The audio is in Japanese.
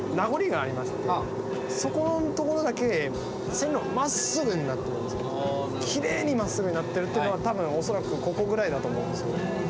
そこの所だけ線路がまっすぐになってるんですけどきれいにまっすぐになってるってのは多分恐らくここくらいだと思うんですよ。